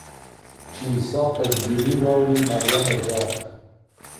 چي عیسی په زګیروي راوړي مریمي ږغ